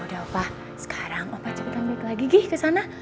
yaudah opa sekarang opa cepetan balik lagi gi kesana